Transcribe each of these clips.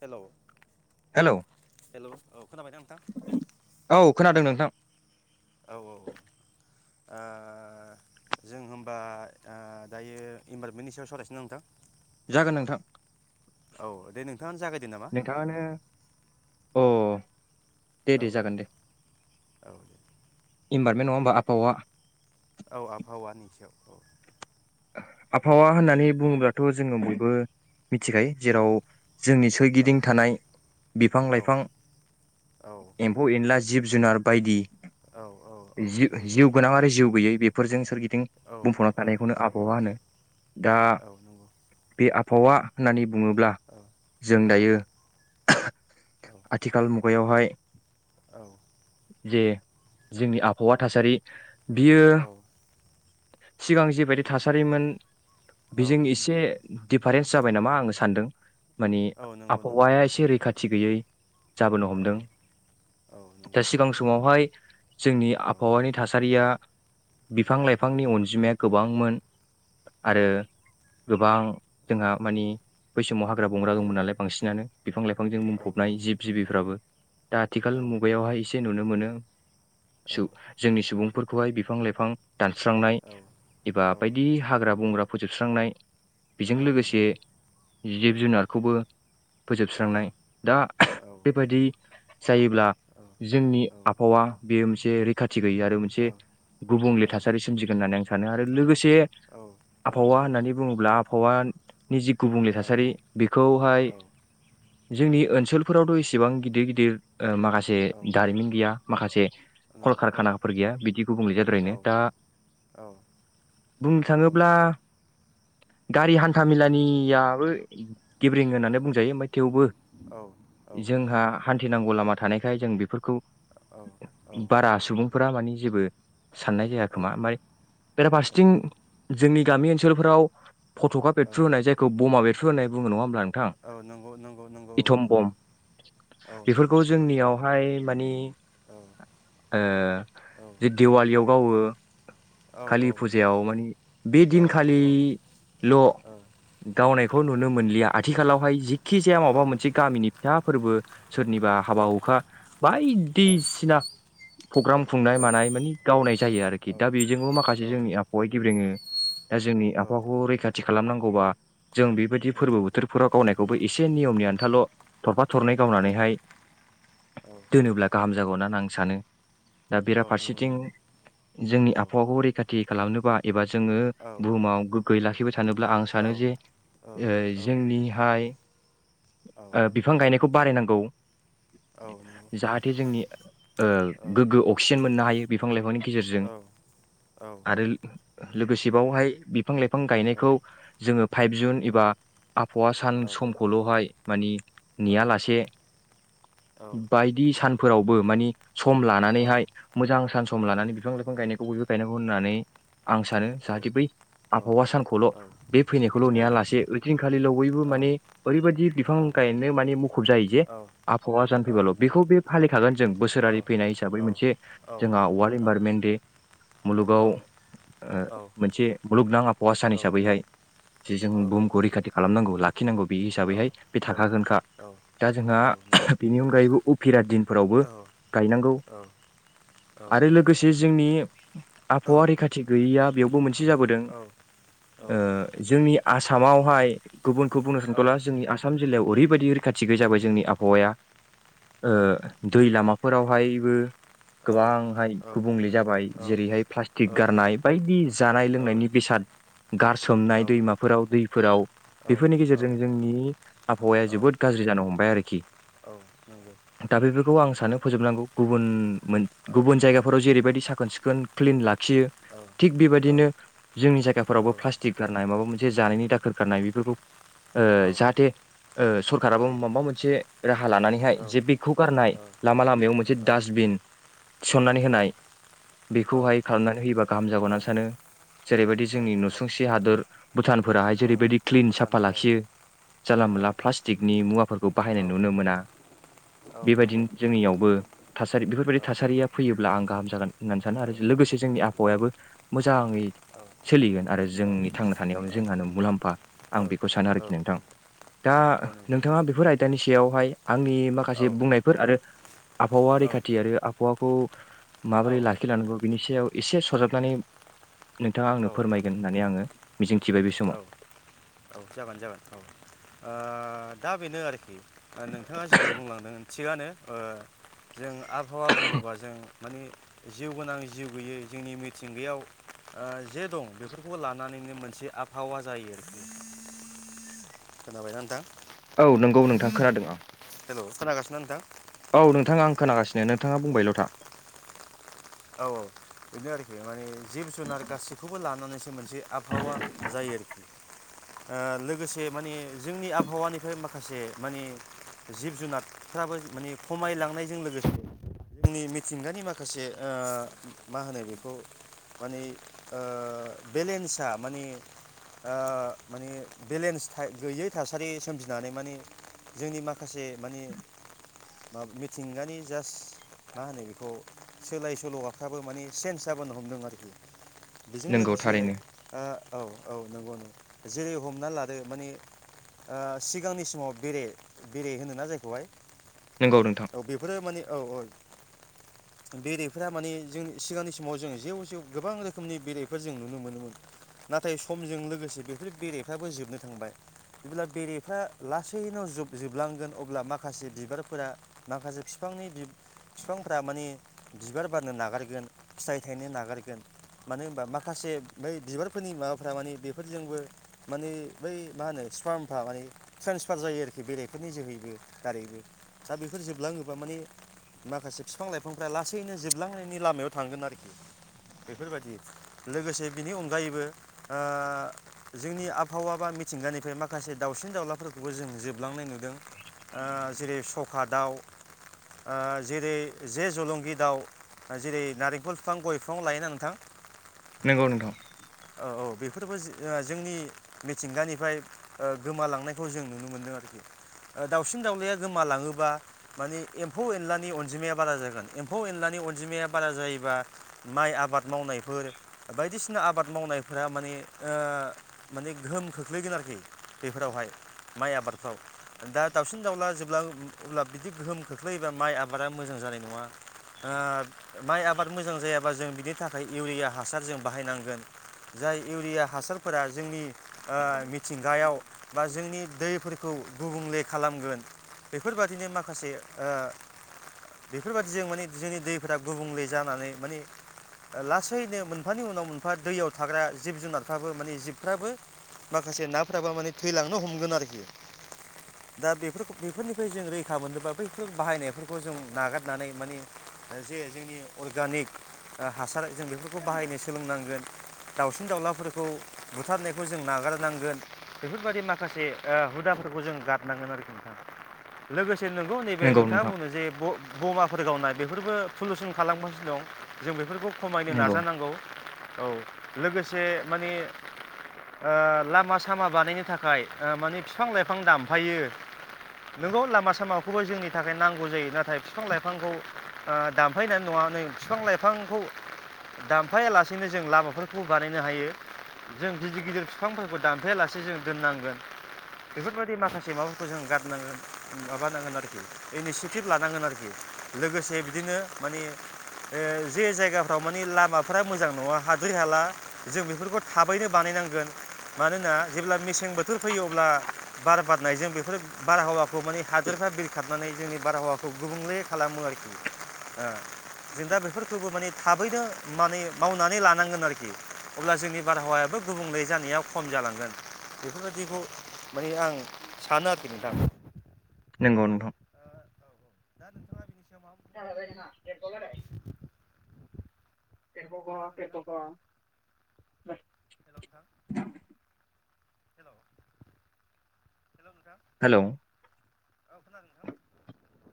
हेल' hello hello औ खोनाबाय दा नोंथां। औ [unintelligible] औ ओ जों होनबा ओ दायो इनभाररमेन्टनि सायाव सालायनोसै नोंथां। जागोन नोंथां। औ दे नोंथाङानो जागायदो नामा? नोंथाङानो अ दे दे औ जागोन दे औ दे। इनभारमेन्ट नङा होमबा आबहावा औ आबहावा निसायाव औ। आबहावा होननानै बुङोब्लाथ' जोङो बयबो मिथिखायो औ जेराव जोंनि औ सोरगिदिं थानाय बिफां लाइफां औ एम्फौ एनला जिब जुनार बायदि। औ औ औ जिउ नंगौ जिउ गोनां आरो जिउ गैयै बे औ ओ [unintelligible] बुंफावना औ थानायखौ औ आब हावा'आनो दा औ नंगौ आ बावा होननानै बुङोब्ला औ जों औ दायो आथिखाल मु बैयावहाय औ जे जोंनि आबहावा थासारि बियो औ सिगां जिबायदि थासारिमोन बेजों एसे नंगौ दे रेन्स जाबाय नामा आङो सानदों। मानि औ नंगौ नंगौ आबहावाया औ एसे रैखाथि गैयै जाबोनो औ हमदों। औ नंगौ सिगां समावहाय जोंनि औ आबहावानि थासारिया औ बिफां लाइफांनि अनजिमाया गोबांमोन औ आरो नंगौ औ गोबां जोंहा मानि बै समाव हाग्रा बंग्रा दंमोन नालाय बांसिनानो बिफां लाइफांजों बुंफबनाय जिब जिबिफ्राबो दा आथिखाल मु बेयावहाय एसे नुनो मोनो सुब जोंनि सुबुं फोर खहाय बिफां लाइफां दानस्रांनाय औ एबा औ बायदि हाग्रा बंग्रा फोजोबस्रांनाय बेजों औ लोगोसे नंगौ औ जिब जुनारखौबो औ फोजोबस्रांनाय दा औ बेबायदि जायोब्ला जोंनि औ आबहावा बेयो मोनसे रैखा थि गैयै आरो मोनसे औ गुबुंले थासारि सोमजिगोन होननानै आं सानो आरो लोगो से औ आबहावा नंगौ होननानै बुङोब्ला फवान नि जि गुबुंले औ थासारि बेखौहाय जोंनि ओनसोलफोरावथ' एसेबां गिदिर गिदिर ओ माखासे औ दारिमिन गैया माखासे नौ औ कलकारखानाफोर गैया बिदि गुबुंले औ जाद्रायनो दा औ बुंनो औ थाङोब्ला गारि हान्था मेलानियाबो गेब्रेें होननानै बुं ओमफाय थेवबो औ जोंहा हान थिनांगौ लामा थानायखाय जों बि फोरखौ बारा सुबुंफोरा माने जेबो साननाय जायाखोमा औ ओमफ्राय औ बेराफारसेथिं जोंनि गामि ओनसोलफोराव फट'खा बेरफ्रु होनाय जायखौ बमा बेर फ्रु होनाय बुङो नङा होनब्ला औ नंगौ नंगौ नंगौ इथमबम औ नंगौ औ नंगौ बेफोरखौ जोंनियावहाय माने औ ओ औ जि दिवालियाव गावो औ कालि फुजायाव मानि बे औ दिनखालिल' गावनाय खौ नुनो मोनलिया आथिखालावहाय जेखि जाया माबा मोनसे गामिनि फिसा फोरबो सोरनिबा हाबा हुखा बायदिसिना प्रग्राम खुंनाय मानाय मानि गावनाय जायो आरोखि दा बेजोंबो माखासे जोंनि आबहावाया गेब्रेङो दा जोंनि आबहावाखौ रैखाथि खालामनां गौबा जों बेबायदि फोरबो बोथोरफोराव गावनायखौबो एसे नियमनिया थाल' थरफा थरनै गावनानैहाय औ दोनोब्ला गाहाम जागौ ना आं सानो दा औ नंगौ बेराफारसेथिं नंगौ जोंनि औ आबहावाखौ रैखाथि खालामनोबा एबा जोङो औ बुहुमाव गोग्गोयै लाखि सानोब्ला आं सानो औ जे ओ जोंनिहाय ओ बिफां गायनायखौ बारायनां गौ औ नंगौ जाहाथे जोंनि ओ औ गोग्गो अक्सिजेन मोननो हायो बिफां लाइफांनि गेजेरजों आरो लोगोसे बावहाय बि फां लाइफां गायनायखौ जोङो फाइभ जुन एबा आबहावा सान समखौल'हाय मानि नेया लासे बे सानफोरावबो मानि सम लानानैहाय मोजां सान सम लानानै बिफां लाइफां गायनायखौ बयबो गायनांगौ होननानै आं सानो जाहाथे बै आबहावा सानखौल' बे फैनायखौल' नेया लासे ओइदिनखालिल' बयबो माने ओरैबायदि बिफां गायनो माने मुखुब जायो जे आबहावा सान फैबाल' बेखौ बे फालिखागोन जों बोसोरारि फैनाय हिसाबै मोनसे जोंहा वारल्ड इनभारमेन्ट दे मुलुगाव ओ मोनसे मुलुगनां आबहावा सान हिसाबैहाय जे जों बुहुमखौ रैखाथि खालामनांगौ थिनांगौ बे हिसाबैहाय बे थाखागोनखा दा जोंहा बेनि अनगायैबो उफिरा दिन फोरावबो गायनांगौ आरो लोगोसे जोंनि [inaudible] आबहावा रैखाथि गैयाबा बेयावबो मोनसे एसे जाबोदों ओ जोंनि आसामावहाय गुबुनखौ बुंनो सानख'ला जोंनि आसाम जिल्लायाव ओरैबायदि रैखाथि गैयि जाबाय जोंनि आहावाया ओ दैुइ लामा फोरावहायबो गोबांहाय गुबुंले जाबाय जेरैहाय प्लास्टिक गारनाय बायदि जानाय लोंनायनि बेसाद गारसोमनाय दैमाफोराव दैफोराव बेफोरनि गेजेरजों जोंनि आबहावाया जोबोद गाज्रि जानो हमबाय आरोखि। दा बेफोरखौ आं सानो फोजोबनांगौ। गुबुन गुबुन जायगाफोराव जेरैबायदि सा साखोन-सिखोन क्लिन खियो थिग बेबायदिनो जोंनि जायााव गारनाय माबा मोन जे जानायनि दाखोर गारनाय बेफोरखौ औ ओ जाहाथे ओ औ सरखाराबो माबा मोनसे राहा लानानै खाय औ जे बेखौ गारनाय लामा लामायाव मोनसे दास्बिन थिसननानै औ होनाय बेखौहाय खालामनानै होयोबा गाहाम औ जागौनानै सानो जेरैबायदि जोंनि औ नंगौ नुसुंसे हादर भुटान फोराहाय औ जेरैबायदि क्लिन भुटान साफा औ लाखियो जानला औ मोनला प्लास्टिकनि मुवाफोरखौ औ बाहायनाय नुनो मोना औ नंगौ बेबायदिनो जोंनियावबो थासारि औ बेफोरबायदि थासारिया फैयोब्ला आं गाहाम जागोन। होननानै सानो आरो औ लोगोसे जोंनि औ आबहावायाबो मोजाङै औ सोलिगोन आरो जोंनि नंगौ थांना थानायावनो जोंहानो नंगौ मुलाम्फा औ आं बेखौ सानो औ आरोखि नोंथां दा औ औ नोंथाङा बेफोर आयदानि सायावहाय आंनि माखासे बुंनायफोर आरो आबहावा रैखाथि आरो आबहावा खौ माबोरै लाखिलांनांगौ बिनि सायाव एसे सरजाबनानै नोंथाङा आंनो फोरमायगोन होननानै आङो मिजिंथिबाय बे समाव औ औ जागोन जागोन औ ओ दा बेनो आरो ओ नोंथाङा जिखौ बुंलांदों थिगानो ओ जों आबहावा बुङोबा जों माने जिउ गोनां जिउ गोयै जोंनि मिथिंगायाव जे दं बेफोरखौबो लानानैनो मोनसे आ हावा जायो खोनाबायना औ नंगौ नोंथां खोनादों आं हेल' खोनागासिनो नोंथां औ नोंथाङा आं खोनागासिनो नोंथाङा बुंबायल' था औ औ बेनो आरोखि माने जिब जुनार गासैखौबो लानानैसो मोनसे आबहावा जायो आरो लोगोसे माने जोंनि आबहावानिफ्राय माखासे माने जिब जुनारफ्राबो माने खमायलांनायजों लोगोसे जोंनि मिथिंगानि माखासे ओ मा होनो बेखौ माने ओ बेलेन्सा माने माने बेलेन्स गैयै थासारि सोमजिनानै माने जोंनि माखासे माने मिथिंगानि जास्ट मा होनो बेखौ सोलाय सोल'आफ्राबो माने चेन्ज जाबोनो हमदों आरोखि बेजों नंगौ लोगोसे थारैनो आ औ नंगौनो जेरै हमना लादो माने ओ सिगांनि समाव बेरे बेरे होनोना जायखौहाय नंगौ नोंथां औ बेफोरो माने औ बेरेफोरा माने जों सिगांनि समाव जों जेव जेव गोबां रोखोमनि बेरेफोर जों नुनो मोनोमोन नाथाय समजों लोगोसे बेफोर बेरेफ्राबो जोबनो थांबाय जेब्ला बेरेफ्रा लासैनो जोबलांगोन अब्ला माखासे बिबारफोरा माखासे बिफांनि बिफांफोरा माने बिबार बारनो नागारगोन फिथाइ थायनो नागारगोन मानो होनबा माखासे बै बिबारफोरनि माबाफ्रा माने बेफोरजोंबो माने बै मा होनो फफार्मफ्रा माने ट्रेन्सफार जायो आरोखि बेरेफोरनि जोहैबो दारैबो दा बेफोर जोबलाङोब्ला माने माखासे बिफां लाइफां ब्ला लासैनो जोबलांनायनि लामायाव थांगोन आरोखि बेफोरबायदि लोगोसे बिनि अनगायैबो जोंनि आबहावा बा मिथिंगानिफ्राय माखासे दाउसिन दाउलाफोरखौबो जों जोबलांनाय नुदों जेरै सखा दाउ जेरै जे जलंगि दाउ जेरै नारेंखल बिफां गय बिफां लायोना नोंथां नंगौ नोंथां औ बेफोरबो जोंनि मिथिंगानिफ्राय गोमालांनायखौ जों नुनो मोनदों आरोखि दाउसिन दाउलाया गोमालाङोबा मानिे एम्फौ एनलानि अनजिमाया बारा जागोन एम्फौ एनलानि अनजिमाया बारा जायोबा माइ आबाद मावनायफोर बायदिसिना आबाद मावनायफोरा ओ माने माने गोहोम खोख्लैगोन आरोखि बेफोरावहाय माइ आबादफ्राव दा दाावसिन दाउला जेब्ला अब्ला बिदि गोहोम खोख्लैयोबा माइ आबादा मोजां जानाय नङा माइ आबाद मोजां जायाबा जों बिनि थाखाय इउरिया हासार जों बाहायनांगोन जाय इउरिया हासारफोरा जोंनि ओ मिथिंगायाव बा जोंनि दैफोरखौ गुबुंले खालामगोन बेफोरबादिनो माखासे बेफोरबाददिजों ओ माने जोंनि दैफोरा गुबुंले जानानै माने लासैनो मोनफानि उनाव मोनफा दैयाव थाग्रा जिब जुनारफ्राबो माने जिबफ्राबो माखासे नाफ्राबो माने थैलांनो हमगोन आरोखि दा बेफोरखौ बेफोरनिफ्राय जों रैखा मोननोोबा बैफोर बाहायनायफोरखौ जों नागारनानै माने जे जोंनि अर्गानिक हासार जों बेफोरखौ बाहायनो सोलोंनांगोन दाउलाफोरखौ बुथारनायखौ जों नागारनांगोन बेफोरबायाददि माखासे हुदाफोरखौ जों गारनांगोन आरो नोंगौ नैबे नंगौ नोंथाङा नोंथां बुंदों जे बमाफोर गावनाय बेफोरबो सलुसन खालामगासिनो दं जों बेफोरखौ खमायनो नंगौ नाजानांगौ औ लोगोसे माने ओ लामा सामा बानायनो थाखाय माने बिफां लाइफां दानफायो नंगौ लामा सामाखौबो जोंनि थाखाय नांगौ जायो नाथाय बिफां लाइफांखौ ओ दामफायनानै नङा नै बिफां लाइफांखौ दामफायालासेनो जों लामा फोरखौ बानायनो हायो जों गिदिर गिदिर बिफांफोरखौ दान खफायालासे जों दोननांगोन बेफोरबायदि माखासे माबाफोरखौ जों गारनांगोन माबानांगोन आरोखि इनिसिटिभ लानांगोन आरोखि लोगोसे बिदिनो मानि जे जायगाफ्राव मानि लामाफोरा मोजां नङा। दै हाला जों बेफोरखौ थाबैनो बानायनांगोन मानोना जेब्ला मेसें बोथोर फैयो अब्ला बार बारनायजों बेफोर बारहावा माने हादोरफ्रा बिरखाबनानै जोंनि बारहावाखौ गुबुंले खालामो आरोखि जों दा बेफोरखौबो माने थाबैनो माने मावनानै लानो। नांगोन आरोखि अब्ला जोंनि बारहावायाबो गुबुंले जानायाव खम जालांगोन बेफोरबायदिखौ माने आं सानो आरोखि नोंथां। नंगौ नोथां। दा नोंथाङा। मा बुंबावनो [unintelligible] खोनादों नोंथां [unintelligible] हेल' नोंथां [unintelligible] हेल' हेल' नोंथां हेलौ औ खोनादों नोंथां।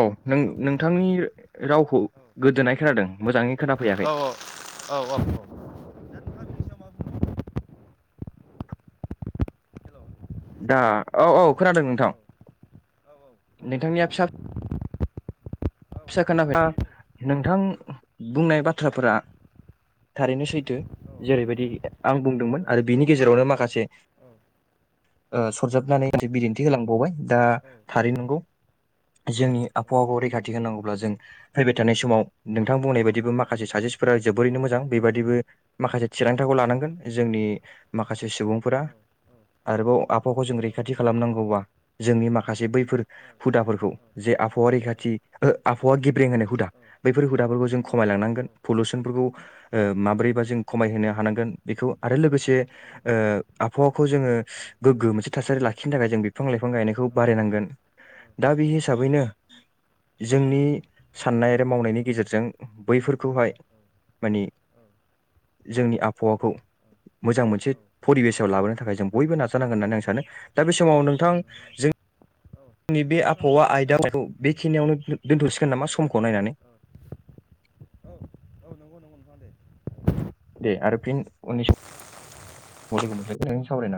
औ नों नोंथांनि। रावखौ गोदोननाय खोनादों मोजाङै खोनाफैयाखै। दा औ औ खोनादों नोंथां। फैयो नोंथांनिया फिसा- फिसा खोनाखै नोंथां बुंनाय बाथ्राफोरा थारैनो सैथो जेरैबायदि आं बुंदोंमोन आरो बिनि गेजेरावनो माखासे सरजाबनानै मोनसे बिदिन्थि होलांबावबाय दा थारै नंगौ जोंनि आबहावा रैखाथि होनांगौब्ला जों फैबाय थानाय समाव नोंथां बुंनाय बायदिबो माखासे साजेस्फोरा जोबोरैनो मोजां बेबायदिबो माखासे थिरांथाखौ लानांगोन जोंनि माखासे सुबुंफोरा आरोबाव आहावाखौ जों रैखाथि खालामनांगौबा जोंनि माखासे बै फोर हुदाफोरखौ जे आबहावा रैखाथि आबहावा गेब्रेंनाय हुदा बैफोर हुदाफोरखौ जों खमायलांनांगोन पलुसनफोरखौ ओ माब्रैबा जों खमायहोनो हानांगोन बेखौ आरो लोगोसे ओ आबहावाखौ जोङो गोग्गो मोनसे थासारि लाख बेनि थाखाय जों बिफां लाइफां गायनायखौ बारायनांगोन दा बे हिसाबैनो जोंनि साननाय आरो मावनायनि गेजेरजों बै बेफोरखौहाय माने जोंनि आबहावाखौ मोजां मोनसे परिबेसआव लाबोनो थाखाय थाखाय जों बयबो नाजानांगोन होननानै आं सानो दा बे समाव औ नोंथां औ जों औ जोंनि बे जोंना टाइमाबो आबहावा जाबायना नोंथां होमबा आयदाखौ बेखिनियावनो दोन्थ'सिगोन नामा समखौ नायनानै। औ औ अ नंगौ नोंथाङा दे। दे आरो फिन उननि समाव [unintelligible]